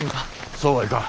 そうはいかん。